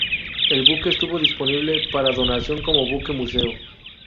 El buque estuvo disponible para donación como buque-museo.